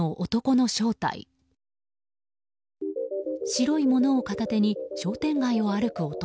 白いものを片手に商店街を歩く男。